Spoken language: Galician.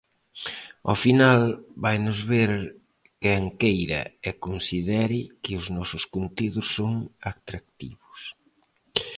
Ao final vainos ver quen queira e considere que os nosos contidos son atractivos.